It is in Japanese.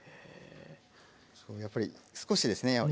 やっぱり少しですね